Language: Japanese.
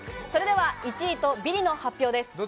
それでは１位とビリの発表です。